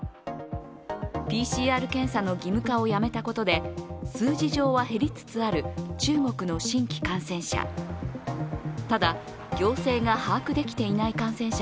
ＰＣＲ検査の義務化をやめたことで数字上は減りつつある中国の新規感染者。